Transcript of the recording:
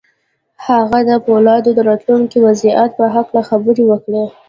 هغه د پولادو د راتلونکي وضعیت په هکله خبرې وکړې